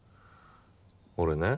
俺ね。